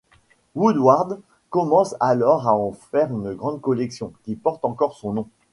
Woodward commence alors à en faire une grande collection, qui porte encore son nom.